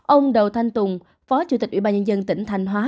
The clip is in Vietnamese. ông đầu thanh tùng phó chủ tịch ubnd tỉnh thanh hóa